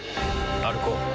歩こう。